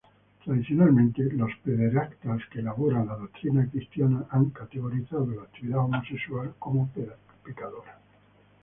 Tradicionalmente, la doctrina cristiana ha categorizado la actividad homosexual como pecadora.